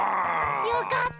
よかった！